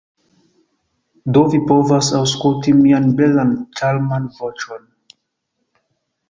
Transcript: Do vi povas aŭskulti mian belan, ĉarman... voĉon.